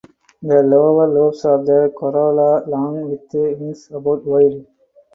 The lower lobes of the corolla long with wings about wide.